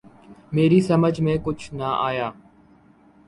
میری سمجھ میں کچھ نہ آیا